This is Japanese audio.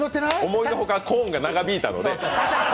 思いのほか、コーンが長引いたので。